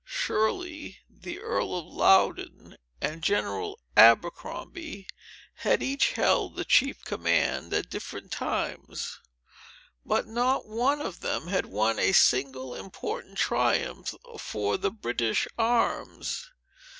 Shirley, the Earl of Loudon, and General Abercrombie, had each held the chief command, at different times; but not one of them had won a single important triumph for the British arms.